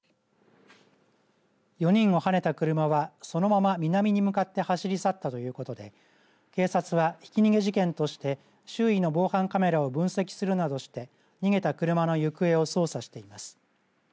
４人をはねた車はそのまま南に向かって走り去ったということで警察は、ひき逃げ事件として周囲の防犯カメラを分析するなどして逃げた車の行方を捜査しています。